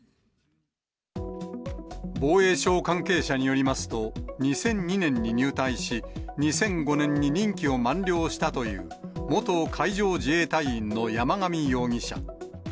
防衛省関係者によりますと、２００２年に入隊し、２００５年に任期を満了したという元海上自衛隊員の山上容疑者。